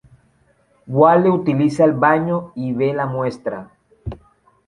Wally utiliza el baño y ve la muestra.